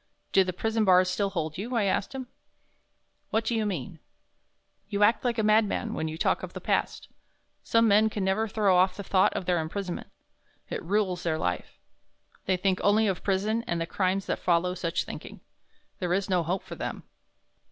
"Do the prison bars still hold you," I asked him. "What do you mean?" "You act like a mad man when you talk of the past. Some men can never throw off the thought of their imprisonment. It rules their life. They think only of prison and the crimes that follow such thinking. There is no hope for them.